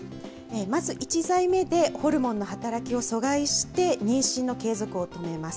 まず１剤目で、ホルモンの働きを阻害して、妊娠の継続を止めます。